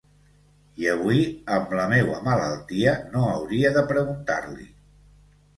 I avui amb la meua malaltia, no hauria de preguntar-li: